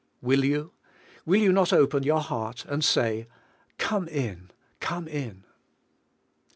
Will you? Will you not open your heart, and say: "Come in; come in?"